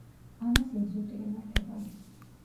ანას ინსულტი ემართება.